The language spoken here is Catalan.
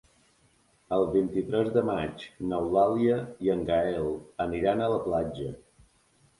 El vint-i-tres de maig n'Eulàlia i en Gaël aniran a la platja.